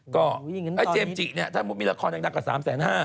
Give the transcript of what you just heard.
ก็ไอ้เจมส์จิเนี่ยถ้าสมมุติมีละครดังกว่าสามแสนห้า